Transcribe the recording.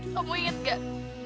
kamu inget gak